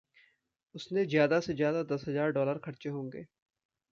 उसने ज़्यादा-से-ज़्यादा दस हज़ार डॉलर खर्चे होंगे।